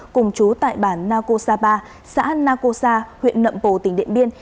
cùng chú tại bản nako sapa xã nako sa huyện nậm pồ tỉnh điện biên